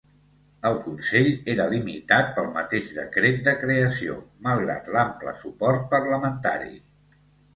El Consell era limitat pel mateix decret de creació, malgrat l'ample suport parlamentari.